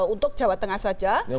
untuk jawa tengah saja